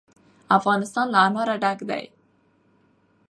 افغانستان له انار ډک دی.